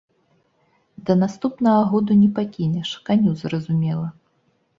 Да наступнага году не пакінеш, каню зразумела.